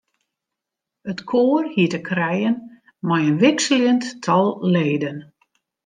It koar hie te krijen mei in wikseljend tal leden.